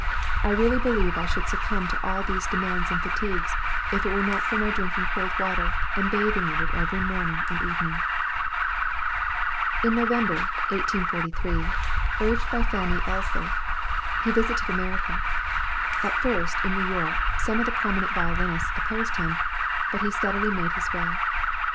I really believe I should succumb to all these demands and fatigues if it were not for my drinking cold water, and bathing in it every morning and evening." In November, 1843, urged by Fanny Elssler, he visited America. At first, in New York, some of the prominent violinists opposed him; but he steadily made his way.